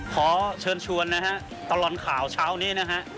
ขอเชิญชวนนะฮะตลอดข่าวเช้านี้นะฮะ